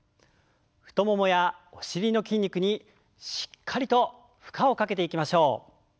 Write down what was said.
太ももやお尻の筋肉にしっかりと負荷をかけていきましょう。